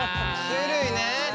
種類ね。